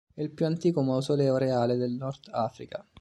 È il più antico mausoleo reale del Nord Africa.